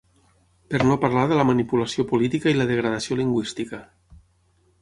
Per no parlar de la manipulació política i la degradació lingüística.